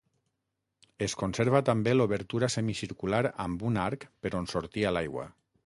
Es conserva també l'obertura semicircular amb un arc per on sortia l'aigua.